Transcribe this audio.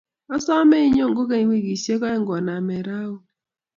Asome inyoo kukeny wikisiek oeng' koname rauni